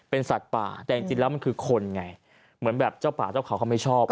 เป็นสัตว์ป่าแต่จริงแล้วมันคือคนไงเหมือนแบบเจ้าป่าเจ้าเขาเขาไม่ชอบ